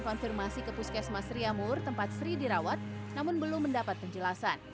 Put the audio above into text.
tentukan konfirmasi ke puskesmas sri amur tempat sri dirawat namun belum mendapat penjelasan